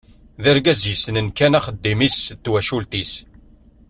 D argaz yessnen kan axeddim-is d twacult-is.